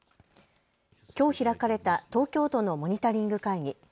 きょう開かれた東京都のモニタリング会議。